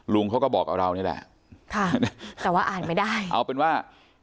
ลุงเขาก็บอกกับเรานี่แหละค่ะแต่ว่าอ่านไม่ได้เอาเป็นว่า